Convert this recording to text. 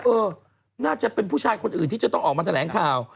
เออน่าจะเป็นผู้ชายคนอื่นที่จะต้องออกมาแถลงข่าว